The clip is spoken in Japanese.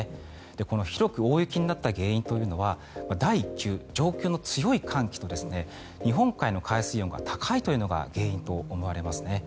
この広く大雪になった原因というのは上空の強い寒気と日本海の海水温が高いのが原因と思われます。